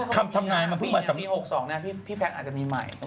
คำทำงานมันเพิ่งมาสำหรับปี๖๒เนี่ยพี่แพ็คอาจจะมีใหม่